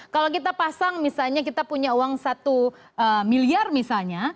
kalau kita pasang misalnya kita punya uang satu miliar misalnya